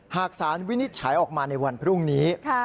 หากสารวินิจฉัยออกมาในวันพรุ่งนี้